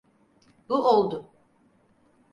Bu oldu.